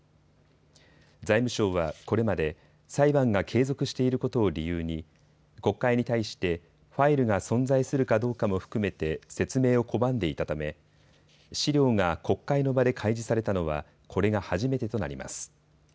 財務省はこれまで裁判が継続していることを理由に国会に対してファイルが存在するかどうかも含めて説明を拒んでいたため資料が国会の場で開示されたのはこれが初めてとなります。